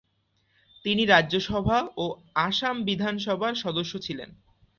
তিনি রাজ্যসভা ও আসাম বিধানসভার সদস্য ছিলেন।